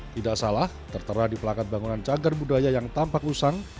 tidak salah tertera di pelakat bangunan cagar budaya yang tampak usang